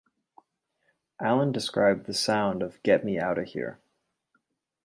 Allen described the sound of Get Me Outta Here!